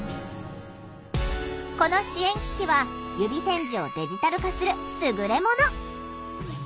この支援機器は指点字をデジタル化する優れもの。